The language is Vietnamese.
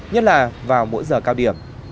nhất là vào mỗi giờ cao điểm